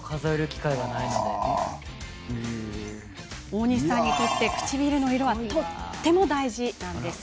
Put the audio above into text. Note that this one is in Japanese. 大西さんにとって唇の色はとっても大事なんです。